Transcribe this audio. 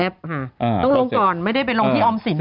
ต้องลงก่อนไม่ได้ไปลงที่ออมสิน